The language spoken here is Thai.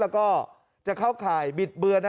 แล้วก็จะเข้าข่ายบิดเบือนนะ